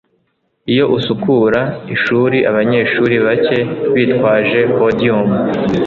iyo usukura ishuri, abanyeshuri bake bitwaje podium